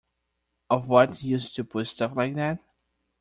Of what use to pull stuff like that?